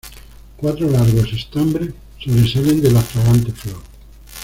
Cuatro largos estambres sobresalen de la fragante flor.